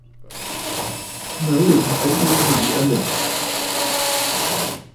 Ma yû a yə nɨ̂ yiʼi aa nɨ̂ àkə̀?